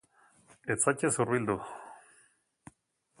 Ez zaitez hurbildu.